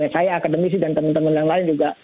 saya akademisi dan teman teman yang lain juga